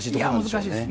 難しいです。